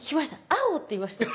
「アオ！」って言いましたよ